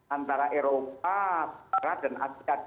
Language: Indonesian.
antara eropa perak dan asyikat